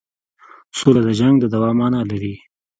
سوله د جنګ د دوام معنی لري.